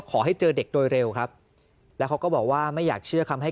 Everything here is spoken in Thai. ขอให้เจอเด็กโดยเร็วครับแล้วเขาก็บอกว่าไม่อยากเชื่อคำให้